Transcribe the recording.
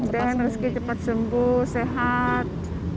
dan rizky cepat sembuh sehat